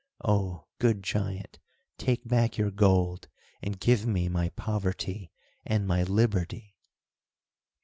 Oh! good giant, take back your gold, and give me my poverty, and my liberty!"